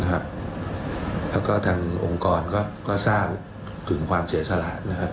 แล้วก็ทางองค์กรก็ทราบถึงความเสียสละนะครับ